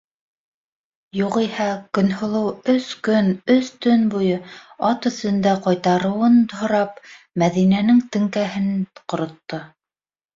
Юғиһә, Көнһылыу, өс көн, өс төн буйы ат өҫтөндә ҡайтарыуын һорап, Мәҙинәнең теңкәһен ҡоротто.